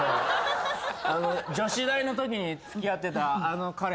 女子大のときに付き合ってたあの彼。